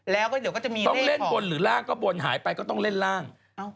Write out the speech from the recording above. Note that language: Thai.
แล้วก็เดี๋ยวก็จะมีต้องเล่นบนหรือร่างก็บนหายไปก็ต้องเล่นร่าง